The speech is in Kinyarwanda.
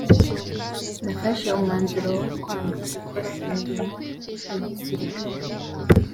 nafashe umwanzuro wo kwanga gukora imirimo ya gisirikare